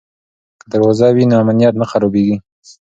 که دروازه وي نو امنیت نه خرابېږي.